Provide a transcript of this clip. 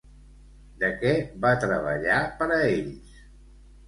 De què va treballar per a ells?